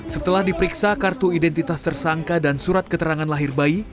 setelah diperiksa kartu identitas tersangka dan surat keterangan lahir bayi